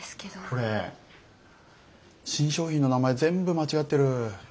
これ新商品の名前全部間違ってる。